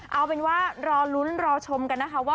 เอาเป็นว่ารอลุ้นรอชมกันนะคะว่า